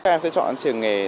em sẽ chọn trường nghề